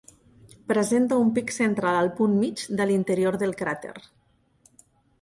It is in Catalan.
Presenta un pic central al punt mig de l'interior del cràter.